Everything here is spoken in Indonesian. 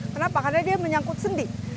kenapa karena dia menyangkut sendi